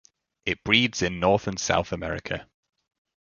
It breeds in North and South America.